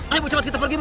ayo cepet kita pergi bu